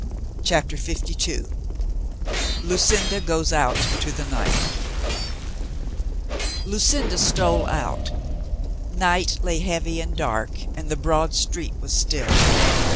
CHAPTER FIFTY TWO LUCINDA GOES OUT TO THE NIGHT LUCINDA stole out. Night lay heavy and dark and the broad street was still.